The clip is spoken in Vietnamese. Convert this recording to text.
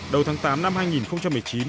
đầu tháng tám năm hai nghìn một mươi chín